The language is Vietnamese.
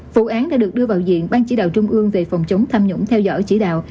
vụ án đã được đưa vào diện ban chỉ đạo trung ương về phòng chống tham nhũng theo dõi chỉ đạo